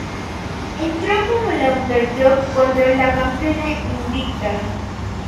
Entró como la underdog contra la campeona invicta.